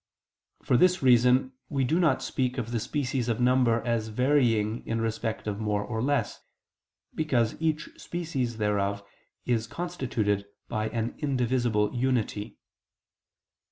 For this reason we do not speak of the species of number as varying in respect of more or less; because each species thereof is constituted by an indivisible unity.